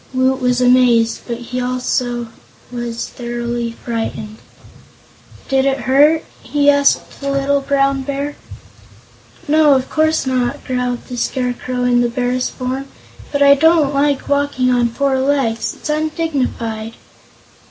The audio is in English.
Woot was amazed, but he was also thoroughly frightened. "Did it hurt?" he asked the little Brown Bear. "No, of course not," growled the Scarecrow in the Bear's form; "but I don't like walking on four legs; it's undignified."